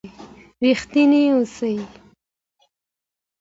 ریښتینی اوسئ.